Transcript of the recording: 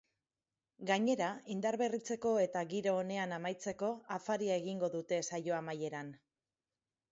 Gainera, indarberritzeko eta giro onean amaitzeko, afaria egingo dute saio amaieran.